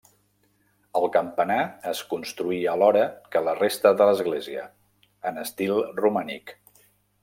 El campanar es construí alhora que la resta de l'església, en estil romànic.